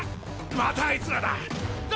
またあいつらだ！